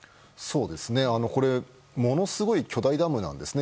これはものすごい巨大ダムなんですね。